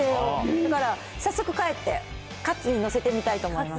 だから、早速帰って、カツに載せてみたいと思います。